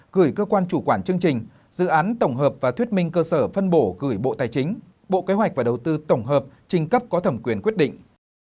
gửi cơ quan chủ quản chương trình dự án tổng hợp và thuyết minh cơ sở phân bổ gửi bộ tài chính bộ kế hoạch và đầu tư tổng hợp trình cấp có thẩm quyền quyết định